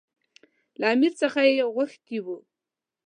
له امیر څخه یې غوښتي وو.